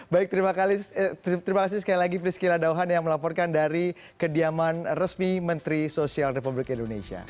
baik terima kasih sekali lagi prisky ladauhan yang melaporkan dari kediaman resmi menteri sosial republik indonesia